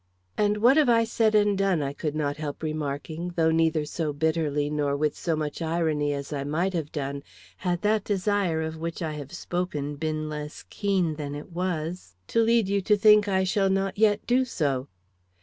"And what have I said and done," I could not help remarking, though neither so bitterly nor with so much irony as I might have done had that desire of which I have spoken been less keen than it was, "to lead you to think I shall not yet do so?"